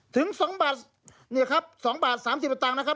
ถึง๒บาทเนี่ยครับ๒บาท๓๐สตางค์นะครับ